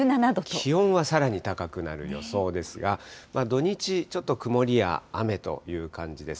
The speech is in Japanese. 気温はさらに高くなる予想ですが、土日、ちょっと曇りや雨という感じです。